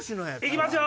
いきますよ